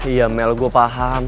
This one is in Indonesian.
iya mel gue paham